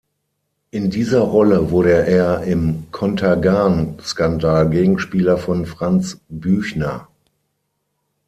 In dieser Rolle wurde er im Contergan-Skandal Gegenspieler von Franz Büchner.